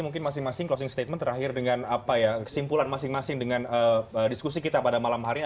mungkin masing masing closing statement terakhir dengan kesimpulan masing masing dengan diskusi kita pada malam hari ini